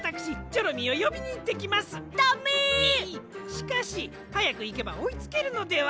しかしはやくいけばおいつけるのでは？